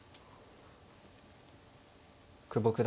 久保九段